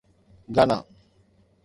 گانا